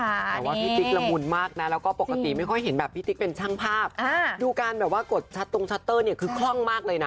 แต่ว่าพี่ติ๊กละมุนมากนะแล้วก็ปกติไม่ค่อยเห็นแบบพี่ติ๊กเป็นช่างภาพดูการแบบว่ากดชัดตรงชัตเตอร์เนี่ยคือคล่องมากเลยนะ